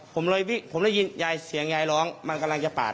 ผมเลยพี่ผมได้ยินยายเสียงยายร้องมันกำลังจะปาด